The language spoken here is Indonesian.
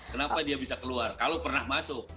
kenapa dia bisa keluar kalau pernah masuk